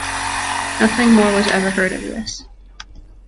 Nothing more was ever heard of this.